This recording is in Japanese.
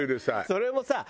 それもさ